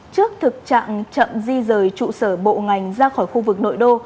trước thực trạng chậm di rời trụ sở bộ ngành ra khỏi khu vực nội đô